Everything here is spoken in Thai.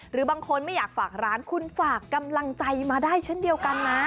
หรือบางคนไม่อยากฝากร้านคุณฝากกำลังใจมาได้เช่นเดียวกันนะ